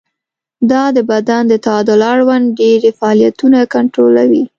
دا د بدن د تعادل اړوند ډېری فعالیتونه کنټرولوي.